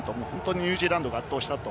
ニュージーランドが圧倒しました。